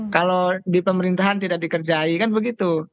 kalau di pemerintahan tidak dikerjai kan begitu